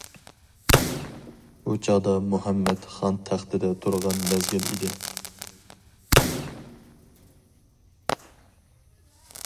بۇ چاغدا مۇھەممەت خان تەختىدە تۇرغان مەزگىل ئىدى.